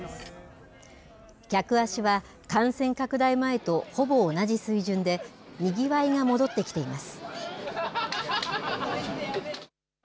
客足は感染拡大前とほぼ同じ水準でにぎわいが戻ってきています。